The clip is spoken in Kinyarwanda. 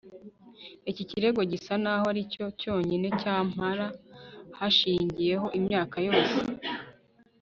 iki kirego gisa n'aho ari cyo cyonyine kampala yashingiyeho imyaka yose